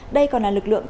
đây còn là lực lượng